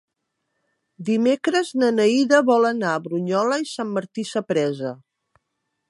Dimecres na Neida vol anar a Brunyola i Sant Martí Sapresa.